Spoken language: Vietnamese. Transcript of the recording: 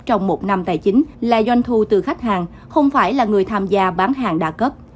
trong một năm tài chính là doanh thu từ khách hàng không phải là người tham gia bán hàng đa cấp